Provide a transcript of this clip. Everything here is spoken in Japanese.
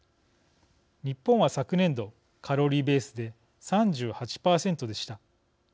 日本は昨年度カロリーベースで３８％でした。